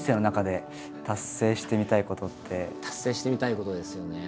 達成してみたいことですよね。